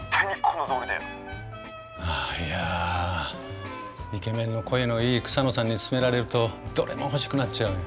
いやイケメンの声のいい草野さんに勧められるとどれも欲しくなっちゃうよ。